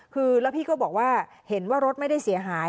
คือแล้วพี่ก็บอกว่าเห็นว่ารถไม่ได้เสียหาย